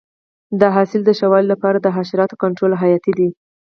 د حاصل د ښه والي لپاره د حشراتو کنټرول حیاتي دی.